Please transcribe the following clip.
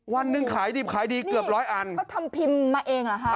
วันหนึ่งขายดิบขายดีเกือบร้อยอันก็ทำพิมพ์มาเองเหรอคะ